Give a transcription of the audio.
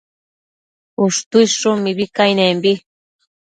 Ushtuidshun mibi cainembi